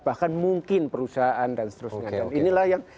bahkan mungkin perusahaan dan seterusnya